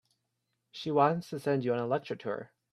She wants to send you on a lecture tour.